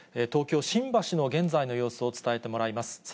東京・新橋の現在の様子を伝えてもらいます。